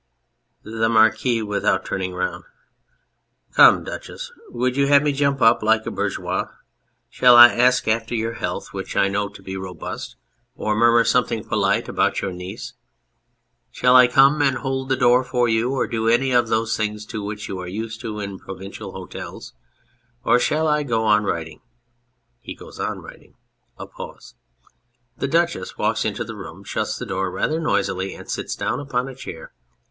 THE MARQUIS (without turning round). Come, Duchess, would you have me jump up like a bour geois ? Shall I ask after your health, which I know 212 The Candour of Maturity to be robust, or murmur something polite about your niece ? Shall I come and hold the door for you, or do any of those things to which you are used in provincial hotels ? Or shall I go on writing ? (He goes on writing.} (A pause.) (The DUCHESS walks into the room, shuts the door rather noisily, and sits down upon a chair.